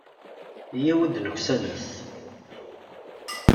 Yyaw ad nuksanet.